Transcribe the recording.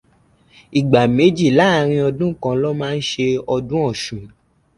Ìgbà méjì láàárín ọdún kan lọ́ má ń ṣe ọdún Ọ̀ṣun.